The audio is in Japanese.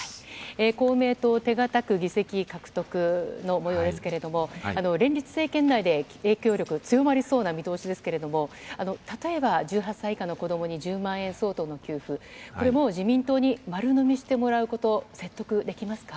公明党、手堅く議席獲得のもようですけれども、連立政権内で影響力、強まりそうな見通しですけれども、例えば１８歳以下の子どもに１０万円相当の給付、これもう自民党に丸飲みしてもらうこと、説得できますか。